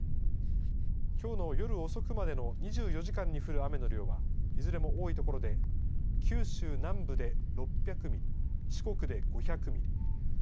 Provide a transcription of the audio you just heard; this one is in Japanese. きょうの夜遅くまでの２４時間に降る雨の量はいずれも多い所で九州南部で６００ミリ四国で５００ミリ。